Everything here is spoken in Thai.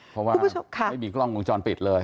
เพราะว่าไม่มีกล้องวงจรปิดเลย